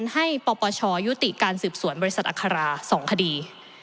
ปปชยุติการสืบสวนบริษัทอัครา๒คดี